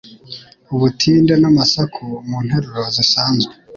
Ubutinde n'amasaku mu nteruro zisanzwe